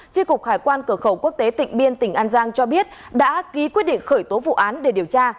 tri cục hải quan cửa khẩu quốc tế tỉnh biên tỉnh an giang cho biết đã ký quyết định khởi tố vụ án để điều tra